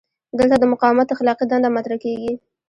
دلته د مقاومت اخلاقي دنده مطرح کیږي.